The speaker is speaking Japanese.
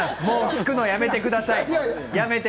聞くのやめてください。